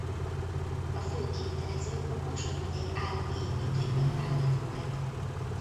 A fő kivitelező a Borsod Megyei Állami Építőipari Vállalat volt.